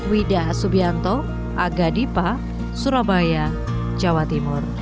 wida subianto aga dipa surabaya jawa timur